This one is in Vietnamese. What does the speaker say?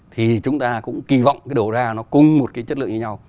thì chúng ta cũng kỳ vọng cái đầu ra nó cùng một cái chất lượng như nhau